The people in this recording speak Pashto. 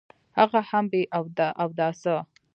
هغه هم بې اوداسه.